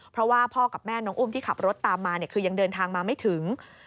เพราะว่าพ่อกับแม่น้องอุ้มที่ขับรถตามมาคือยังเดินทางมาไม่ถึง